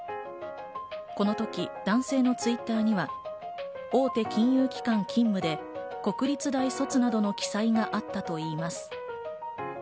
この時、男性のＴｗｉｔｔｅｒには大手金融機関勤務で国立大卒などの記載があったといいます。